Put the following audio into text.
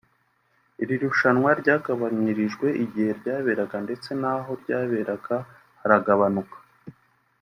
iri rushanwa ryagabanirijwe igihe ryaberaga ndetse n’aho ryaberaga haragabanuka